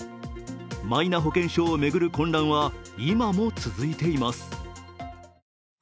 マイナ保険証を巡る混乱は今も続いてます。